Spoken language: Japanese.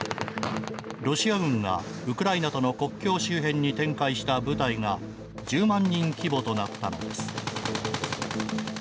ロシア軍がウクライナとの国境周辺に展開した部隊が１０万人規模となったのです。